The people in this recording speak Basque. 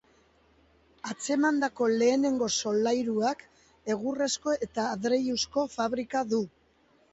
Atzemandako lehenengo solairuak egurrezko eta adreiluzko fabrika du.